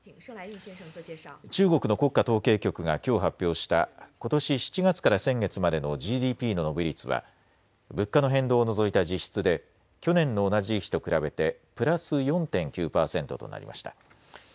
中国の国家統計局がきょう発表した、ことし７月から先月までのＧＤＰの伸び率は物価の変動を除いた実質で去年の同じ時期と比べてプラス４．９％となりました。